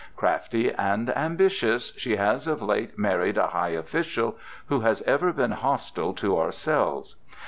Crafty and ambitious, she has of late married a high official who has ever been hostile to ourselves.